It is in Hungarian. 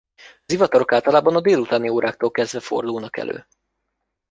Zivatarok általában a délutáni óráktól kezdve fordulnak elő.